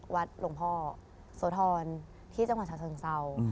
วัดหลวงพ่อโสธรที่จังหวัดชาวสวรรค์เซา